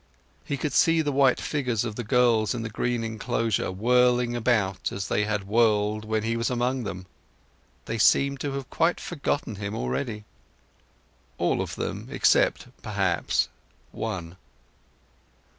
He could see the white figures of the girls in the green enclosure whirling about as they had whirled when he was among them. They seemed to have quite forgotten him already. All of them, except, perhaps, one.